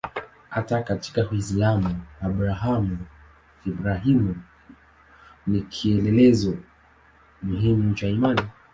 Hata katika Uislamu Abrahamu-Ibrahimu ni kielelezo muhimu cha imani.